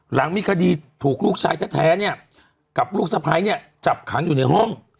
หลังมีคดีถูกลูกชายแท้เนี่ยกับลูกสะพ้ายเนี่ยจับขังอยู่ในห้อง